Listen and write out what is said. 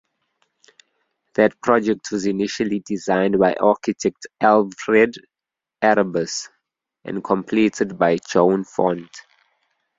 That project was initially designed by architect Alfred Arribas and completed by Joan Font.